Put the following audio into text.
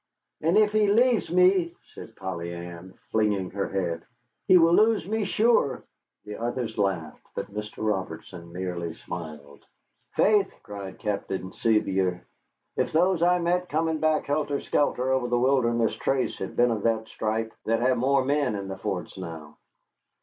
"And if he leaves me," said Polly Ann, flinging her head, "he will lose me sure." The others laughed, but Mr. Robertson merely smiled. "Faith," cried Captain Sevier, "if those I met coming back helter skelter over the Wilderness Trace had been of that stripe, they'd have more men in the forts now."